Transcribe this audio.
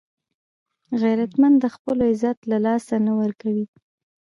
غیرتمند د خپلو عزت له لاسه نه ورکوي